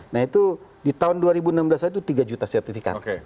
nah itu di tahun dua ribu enam belas itu tiga juta sertifikat